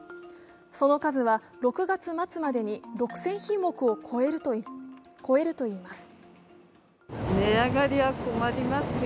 その数は６月末までに６０００品目を超えるといいます。